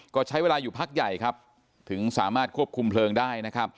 ก็ใช้เวลาอยู่พักใหญ่ครับถึงสามารถควบคุมเพลิงได้นะครับ